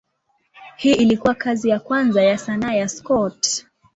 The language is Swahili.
Hii ilikuwa kazi ya kwanza ya sanaa ya Scott.